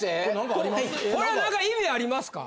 これは何か意味ありますか？